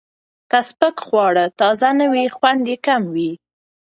که سپک خواړه تازه نه وي، خوند یې کم وي.